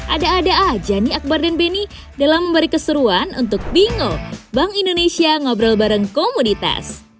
ada ada aja nih akbar dan beni dalam memberi keseruan untuk bingung bank indonesia ngobrol bareng komoditas